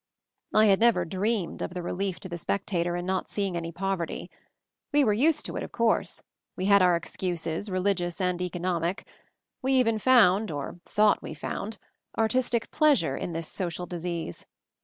I had never dreamed of the relief to the spectator in not seeing any poverty. We were used to it, of course; we had our ex cuses, religious and economic, we even found, MOVING THE MOUNTAIN 193 or thought we found, artistic pleasure in this social disease.